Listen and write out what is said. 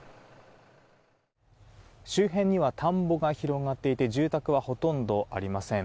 周辺には田んぼが広がっていて住宅はほとんどありません。